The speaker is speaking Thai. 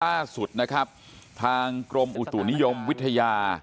ล่าสุดนะครับทางกรมอุตุนิยมวิทยา